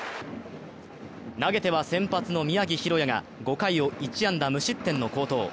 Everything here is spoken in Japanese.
投げては先発の宮城大弥が５回を１安打・無失点の好投。